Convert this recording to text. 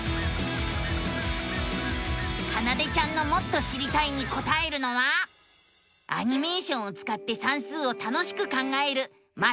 かなでちゃんのもっと知りたいにこたえるのはアニメーションをつかって算数を楽しく考える「マテマティカ２」。